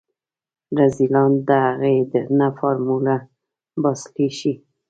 رذيلان د اغې نه فارموله باسلی شي.